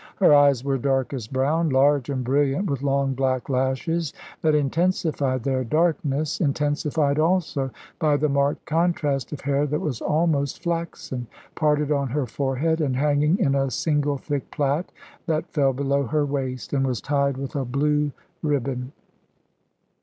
Her eyes were darkest brown, large and brilliant, with long black lashes that intensified their darkness, intensified also by the marked contrast of hair that was almost flaxen, parted on her forehead, and hanging in a single thick plait that fell below her waist, and was tied with a blue ribbon.